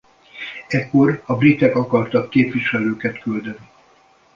Ekkor a britek akartak képviselőket küldeni.